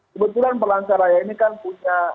kebetulan palangkaraya ini kan punya